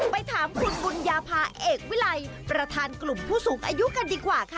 ไปถามคุณบุญญาภาเอกวิลัยประธานกลุ่มผู้สูงอายุกันดีกว่าค่ะ